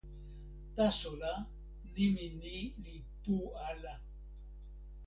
taso la, nimi ni li pu ala.